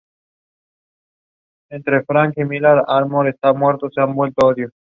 El Imperio Bambara sobrevivió pero fue debilitado de modo irreversible.